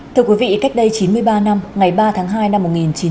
thưa quý vị cách đây chín mươi ba năm ngày ba tháng hai năm một nghìn chín trăm bảy mươi